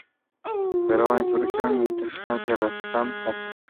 Operó en su región y en terrenos de la hacienda de San Gaspar.